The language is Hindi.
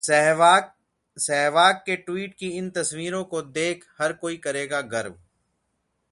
सहवाग के ट्वीट की इन तस्वीरों को देख हर कोई करेगा गर्व